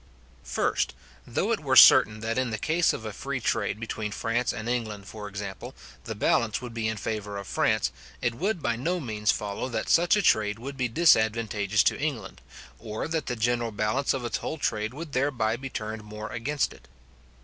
First, Though it were certain that in the case of a free trade between France and England, for example, the balance would be in favour of France, it would by no means follow that such a trade would be disadvantageous to England, or that the general balance of its whole trade would thereby be turned more against it.